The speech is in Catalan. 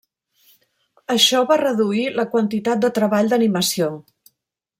Això va reduir la quantitat de treball d'animació.